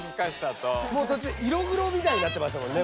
とちゅう色黒みたいになってましたもんね